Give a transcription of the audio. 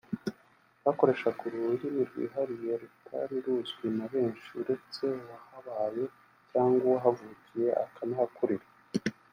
bakoreshaga uru rurimi rwihariye rutari ruzwi na benshi uretse uwahabaye cyangwa uwahavukiye akanahakurira